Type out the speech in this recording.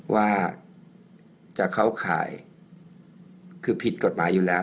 ว่าจะเข้าข่ายคือผิดกฎหมายอยู่แล้ว